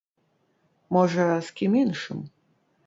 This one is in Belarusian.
Можа, з кім іншым.